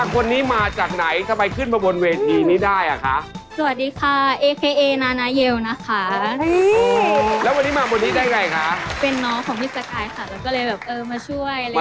อ่ะคนนี้มาจากไหนทำไมขึ้นมาบนเวทีนี่ได้อ่ะคะ